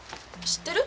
知ってる？